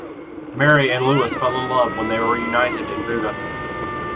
Mary and Louis fell in love when they were reunited in Buda.